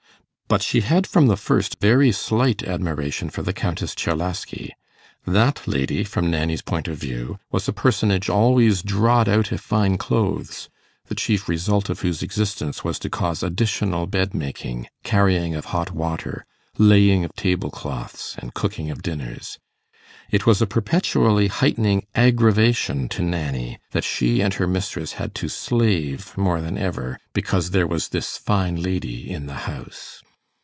But she had, from the first, very slight admiration for the Countess Czerlaski. That lady, from Nanny's point of view, was a personage always 'drawed out i' fine clothes', the chief result of whose existence was to cause additional bed making, carrying of hot water, laying of table cloths, and cooking of dinners. It was a perpetually heightening 'aggravation' to Nanny that she and her mistress had to 'slave' more than ever, because there was this fine lady in the house.